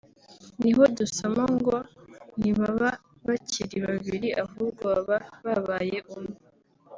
niho dusoma ngo “ntibaba bakiri babiri ahubwo baba babaye umwe